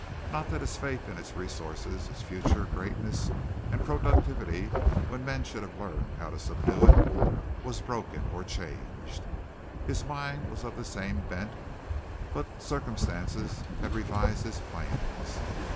Not that his faith in its resources, its future greatness and productivity when men should have learned how to subdue it, was broken or changed. His mind was of the same bent, but circumstances had revised his plans.